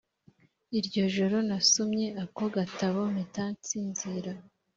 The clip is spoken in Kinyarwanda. iryo joro nasomye ako gatabo mpita nsinzira